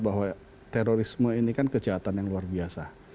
bahwa terorisme ini kan kejahatan yang luar biasa